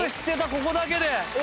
ここだけで。